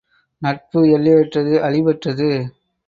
நட்பு எல்லையற்றது அழிவற்றது.